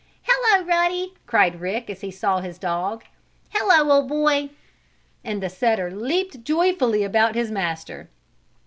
"Hello, Ruddy!" cried Rick, as he saw his dog. "Hello, old boy!" and the setter leaped joyfully about his master.